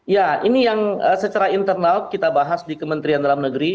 ya ini yang secara internal kita bahas di kementerian dalam negeri